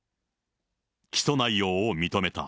起訴内容を認めた。